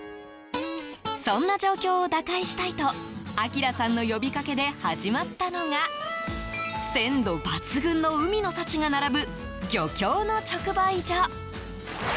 そんな状況を打開したいと晶さんの呼びかけで始まったのが鮮度抜群の海の幸が並ぶ漁協の直売所。